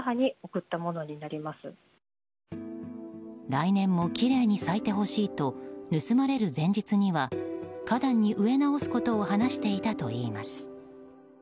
来年もきれいに咲いてほしいと盗まれる前日には花壇に植えなおすことを話していたといいます。